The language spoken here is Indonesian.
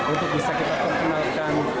untuk bisa kita perkenalkan